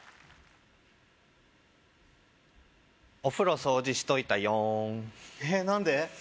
お風呂掃除しといたよんえっ何で？